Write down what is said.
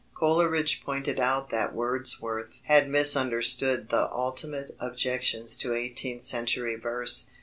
Coleridge pointed out that Wordsworth had misunderstood the ultimate objections to eighteenth century verse.